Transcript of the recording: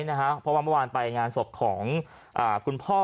เพราะว่าเมื่อวานไปงานศพของคุณพ่อ